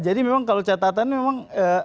jadi memang kalau catatan memang